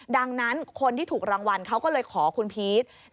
ดังนั้นคนที่ถูกรางวัลเขาก็เลยขอคุณพีช